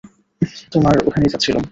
তোমার ওখানেই যাচ্ছিলুম।